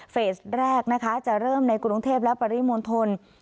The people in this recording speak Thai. เฟสแรกนะคะจะเริ่มในกรุงเทพและปริมณฑล